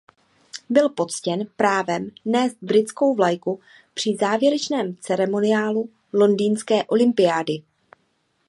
Byl poctěn právem nést britskou vlajku při závěrečném ceremoniálu londýnské olympiády.